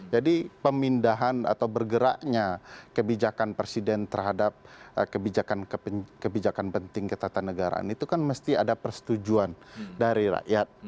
jadi pemindahan atau bergeraknya kebijakan presiden terhadap kebijakan penting ketatanegaraan itu kan mesti ada persetujuan dari rakyat